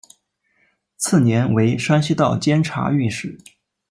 次年为山西道监察御史。